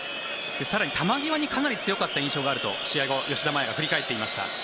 更に、球際にかなり強かった印象があると試合後、吉田麻也が振り返っていました。